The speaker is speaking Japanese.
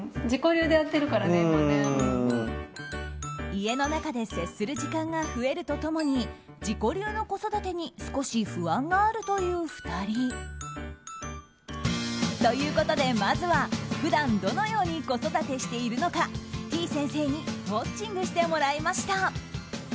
家の中で接する時間が増えると共に自己流の子育てに少し不安があるという２人。ということで、まずは普段どのように子育てしているのかてぃ先生にウォッチングしてもらいました。